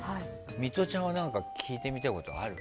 ミトちゃんは聞いてみたいことある？